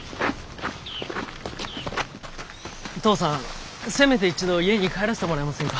父さんせめて一度家に帰らせてもらえませんか？